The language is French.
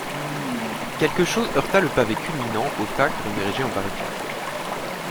Quelque chose heurta le pavé culminant au tas que l'on érigeait en barricade.